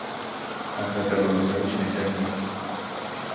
А гэта быў зручны цягнік.